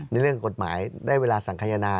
ในเรื่องกฎหมายได้เวลาสั่งขยนา